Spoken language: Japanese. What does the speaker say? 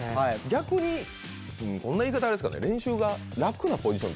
逆にこんな言い方あれですかね。